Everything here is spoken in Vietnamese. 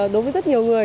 đối với rất nhiều người